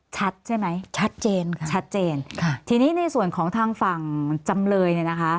ชัดใช่ไหมชัดเจนค่ะชัดเจนค่ะทีนี้ในส่วนของทางฝั่งจำเลยเนี่ยนะคะ